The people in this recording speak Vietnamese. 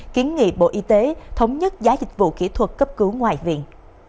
kiến nghị bộ y tế thống nhất giá dịch vụ kỹ thuật cấp cứu ngoại viện